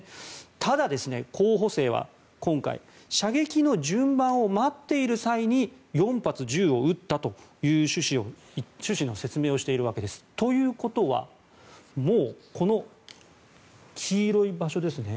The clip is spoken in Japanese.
ただ、候補生は今回射撃の順番を待っている際に４発、銃を撃ったという趣旨の説明をしているわけです。ということはもうこの黄色い場所ですね